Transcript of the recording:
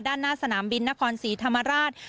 ด้านหน้าสนามบินนครศรีธรรมราช